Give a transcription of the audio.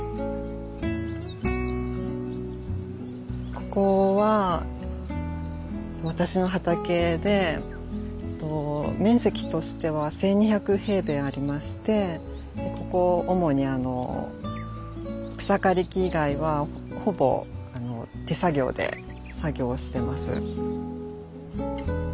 ここは私の畑でえっと面積としては１，２００平米ありましてでここ主にあの草刈り機以外はほぼ手作業で作業してます。